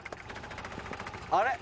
あれ？